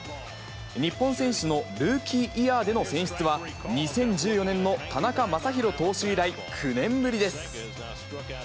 日本選手のルーキーイヤーでの選出は、２０１４年の田中将大投手以来９年ぶりです。